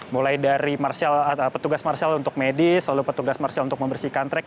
mulai dari petugas marshal untuk medis lalu petugas marshal untuk membersihkan trek